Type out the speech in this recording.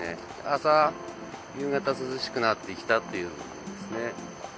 朝、夕方、涼しくなってきたというんですね。